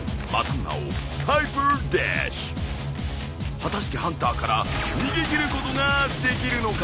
果たしてハンターから逃げ切ることができるのか！？